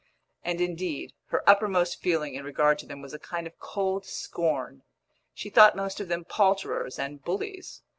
And, indeed, her uppermost feeling in regard to them was a kind of cold scorn; she thought most of them palterers and bullies.